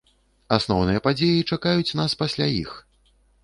Асноўныя падзеі чакаюць нас пасля іх.